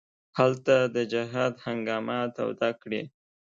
هلته د جهاد هنګامه توده کړي.